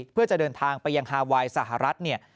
เพื่อจะเดินทางไปยังฮาไวน์สหรัฐเนี่ย